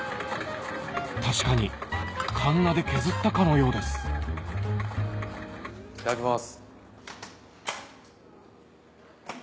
確かにカンナで削ったかのようですいただきます。